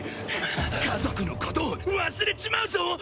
家族のこと忘れちまうぞ！？